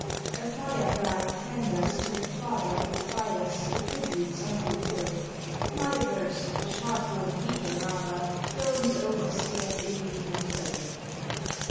A fire fly tenders to the father Of fires a tribute something worth: My verse, a shard borne beetle rather, Drones over scarce illumined earth.